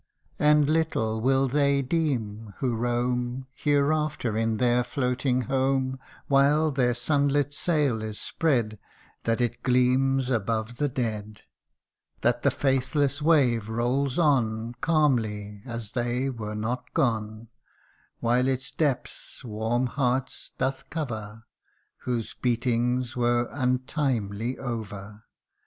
And little will they deem, who roam Hereafter in their floating home, While their sunlit sail is spread, That it gleams above the dead That the faithless wave rolls on Calmly, as they were not gone, While its depths warm hearts doth cover, Whose beatings were untimely over